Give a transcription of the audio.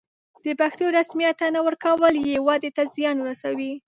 د پښتو رسميت ته نه ورکول یې ودې ته زیان رسولی.